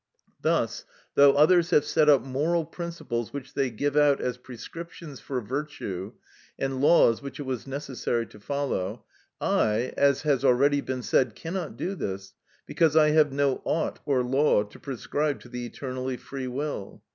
Thus, though others have set up moral principles which they give out as prescriptions for virtue, and laws which it was necessary to follow, I, as has already been said, cannot do this because I have no "ought" or law to prescribe to the eternally free will.